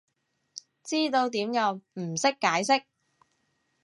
知道點用，唔識解釋